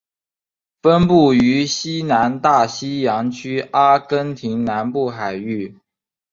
分布于西南大西洋区阿根廷南部海域。